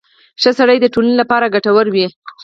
• ښه سړی د ټولنې لپاره ګټور وي.